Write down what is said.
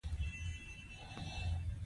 د افغانانو سره د نوموړي لړیو د اړیکو څرنګوالي.